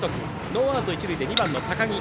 ノーアウト、一塁で２番の高木。